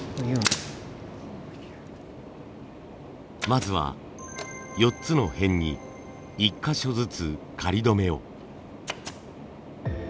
まずは４つの辺に１か所ずつ仮止めを。